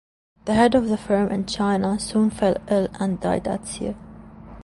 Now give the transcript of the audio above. The head of the firm in China soon fell ill and died at sea.